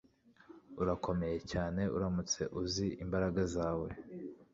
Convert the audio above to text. urakomeye cyane, uramutse uzi imbaraga zawe